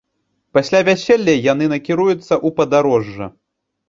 Пасля вяселля яны накіруюцца ў падарожжа.